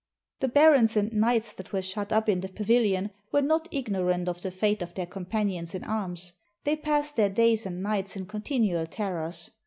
The barons and knights that were shut up in the pa vilion were not ignorant of the fate of their companions in arms; they passed their days and nights in continual terrors.